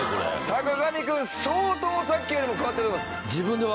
坂上くん相当さっきよりも変わってる。